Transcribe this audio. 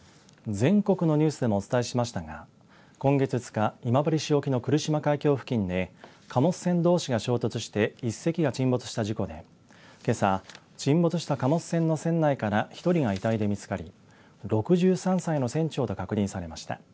全国のニュースでもお伝えしましたが今月２日今治市沖の来島海峡付近で貨物船どうしが衝突して１隻が沈没した事故でけさ、沈没した貨物船の船内から１人が遺体で見つかり６３歳の船長と確認されました。